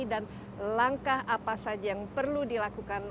dan langkah apa saja yang perlu dilakukan